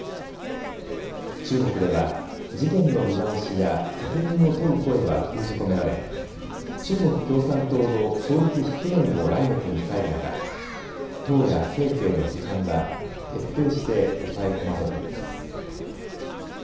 中国では、事件の見直しや責任を問う声は封じ込められ、中国共産党の創立１００年を来月に控える中、党や政府への批判は、徹底して抑え込まれています。